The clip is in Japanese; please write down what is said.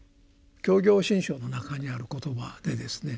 「教行信証」の中にある言葉でですね